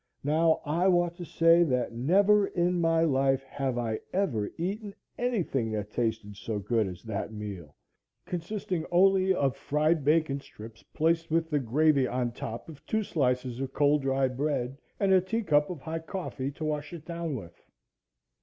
Now, I want to say that never in my life have I ever eaten anything that tasted so good as that meal, consisting only of fried bacon strips placed with the gravy on top of two slices of cold dry bread, and a teacup of hot coffee to wash it down with.